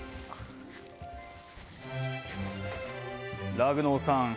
ラグノオさん